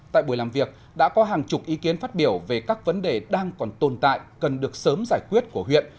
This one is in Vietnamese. tại buổi làm việc đã có hàng chục ý kiến phát biểu về các vấn đề đang còn tồn tại cần được sớm giải quyết của huyện